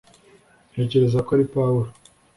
ntekereza ko ari pawulo